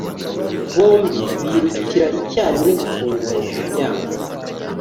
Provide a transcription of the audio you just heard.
bombi birukira icyarimwe gufungura umuryango